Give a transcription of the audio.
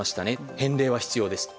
返礼は必要ですと。